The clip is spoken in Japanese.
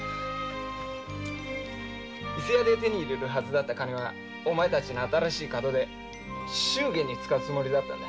伊勢屋で手に入れるはずだった金はお前たちの門出祝言に使うつもりだったんだ。